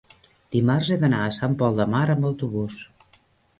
dimarts he d'anar a Sant Pol de Mar amb autobús.